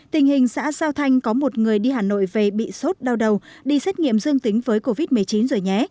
tình hình xã giao thanh có một người đi hà nội về bị sốt đau đầu đi xét nghiệm dương tính với covid một mươi chín rồi nhé